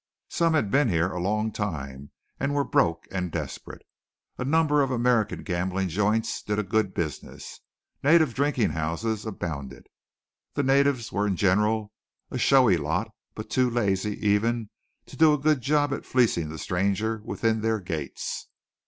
Some had been here a long time, and were broke and desperate. A number of American gambling joints did a good business. Native drinking houses abounded. The natives were in general a showy lot, but too lazy even to do a good job at fleecing the stranger within their gates.